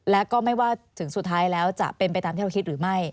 และก็ไม่ว่าถึงสุดท้ายแล้วจะเป็นไปตามที่เราคิดหรือไม่